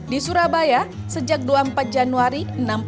di surabaya sejak dua puluh empat januari